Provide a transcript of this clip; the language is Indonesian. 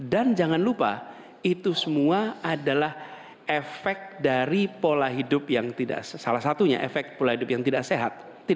dan jangan lupa itu semua adalah efek dari pola hidup yang tidak sehat